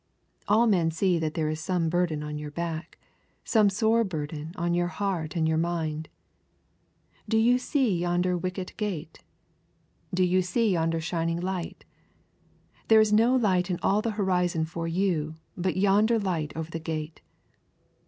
All men see that there is some burden on your back; some sore burden on your heart and your mind. Do you see yonder wicket gate? Do you see yonder shining light? There is no light in all the horizon for you but yonder light over the gate.